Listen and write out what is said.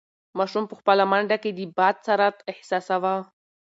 ماشوم په خپله منډه کې د باد سرعت احساساوه.